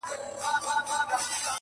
پسرلی سو ژمی ولاړی مخ یې تور سو؛